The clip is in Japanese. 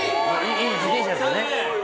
いい自転車ですよね。